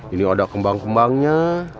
ini ada kembang kembangnya